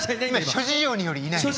諸事情によりいないのよ。